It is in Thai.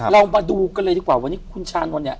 เรามาดูกันเลยดีกว่าวันนี้คุณชานนท์เนี่ย